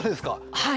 はい。